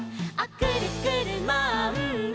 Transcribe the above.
「くるくるマンボ」